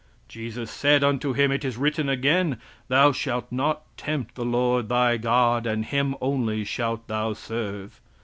"Jesus said unto him, it is written again, Thou shalt not tempt the Lord, thy God, and Him only shalt thou serve."